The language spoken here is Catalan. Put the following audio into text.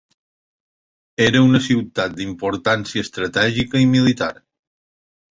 Era una ciutat d'importància estratègica i militar.